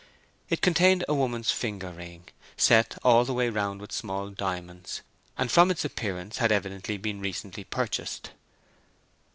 It contained a woman's finger ring, set all the way round with small diamonds, and from its appearance had evidently been recently purchased.